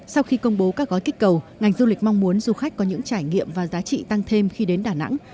sau khi công bố các gói kích cầu ngành du lịch mong muốn du khách có những trải nghiệm và giá trị tăng thêm khi đến đà nẵng